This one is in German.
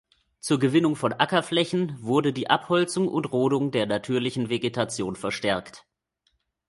Zur Gewinnung von Ackerflächen wurde die Abholzung und Rodung der natürlichen Vegetation verstärkt.